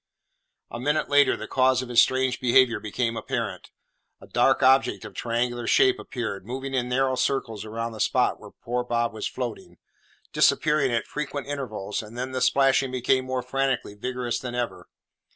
A minute later the cause of his strange behaviour became apparent. A dark object of triangular shape appeared, moving in narrow circles round the spot where poor Bob was floating, disappearing at frequent intervals, and then the splashing became more frantically vigorous than ever.